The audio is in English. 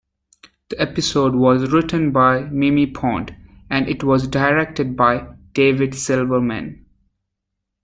The episode was written by Mimi Pond, and it was directed by David Silverman.